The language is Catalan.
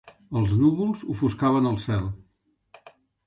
Els núvols ofuscaven el cel.